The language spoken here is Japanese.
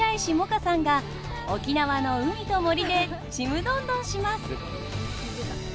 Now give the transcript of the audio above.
歌さんが沖縄の海と森でちむどんどんします！